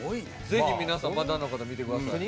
ぜひ皆さんまだの方見てください。